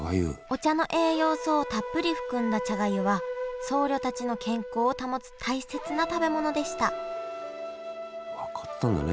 お茶の栄養素をたっぷり含んだ茶がゆは僧侶たちの健康を保つ大切な食べ物でした分かってたんだね